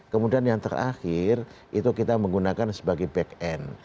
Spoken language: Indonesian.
kemudian yang terakhir itu kita menggunakan sebagai back end